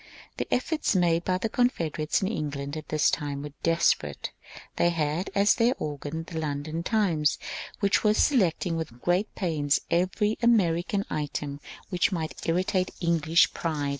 The efforts made by the Confederates in England at this time were desperate. They had as their organ the London " Times," which was selecting with g^at pains every Ameri can item which might irritate English pride.